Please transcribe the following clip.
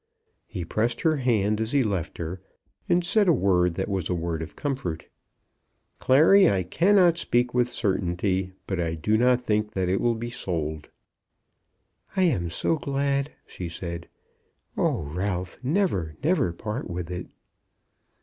He pressed her hand as he left her, and said a word that was a word of comfort. "Clary, I cannot speak with certainty, but I do not think that it will be sold." "I am so glad!" she said. "Oh, Ralph, never, never part with it."